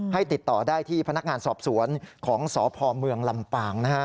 ติดต่อได้ที่พนักงานสอบสวนของสพเมืองลำปางนะฮะ